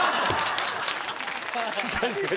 確かに。